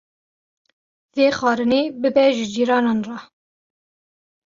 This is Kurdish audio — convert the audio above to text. Vê xwarinê bibe ji cîranan re.